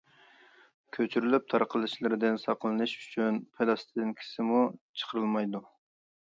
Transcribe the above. كۆچۈرۈلۈپ تارقىلىشىدىن ساقلىنىش ئۈچۈن پىلاستىنكىسىمۇ چىقىرىلمايدۇ.